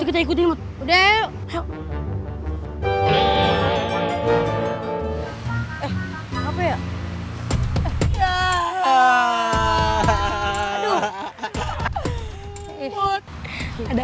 karena aku panda panda